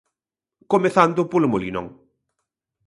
Comezando polo Molinón.